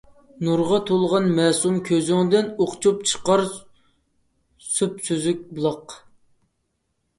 نۇرغا تولغان مەسۇم كۆزۈڭدىن، ئوقچۇپ چىقار سۈپسۈزۈك بۇلاق.